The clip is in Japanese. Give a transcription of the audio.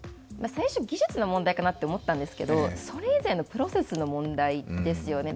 最初、技術の問題かなと思ったんですけど、それ以前のプロセスの問題ですよね。